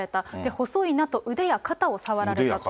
細いなと、腕や肩を触られたと。